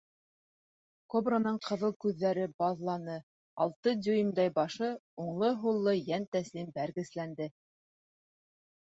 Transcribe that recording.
Кобраның ҡыҙыл күҙҙәре баҙланы, алты дюймдай башы уңлы-һуллы йәнтәслим бәргесләнде.